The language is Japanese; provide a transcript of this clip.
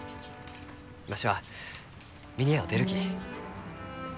わしは峰屋を出るき。